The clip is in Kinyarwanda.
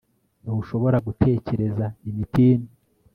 Ntushobora gutekereza imitini